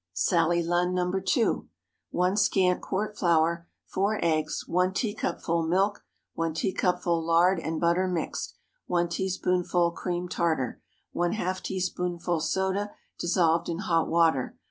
SALLY LUNN. (No. 2.) ✠ 1 scant quart flour. 4 eggs. 1 teacupful milk. 1 teacupful lard and butter mixed. 1 teaspoonful cream tartar. ½ teaspoonful soda, dissolved in hot water.